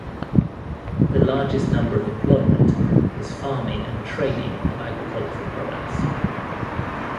The largest number of employment is farming and trading of agricultural products.